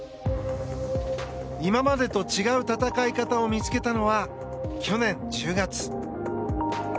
今までと違う戦い方を見つけたのは去年１０月。